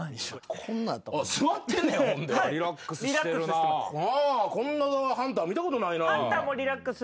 こんなハンター見たことないな。